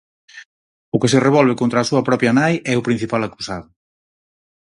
O que se revolve contra a súa propia nai é o principal acusado.